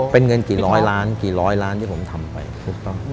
เป็นเงินกี่ร้อยล้านที่ผมทำไปถูกต้อง